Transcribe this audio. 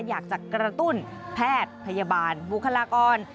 อยากจะกระตุ้นแพทย์พยาบาลบุคลากร